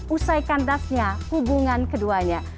usai kandasnya hubungan keduanya